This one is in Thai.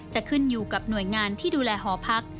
จะขึ้นอยู่กับหน่วยงานที่ดูแลหอพัก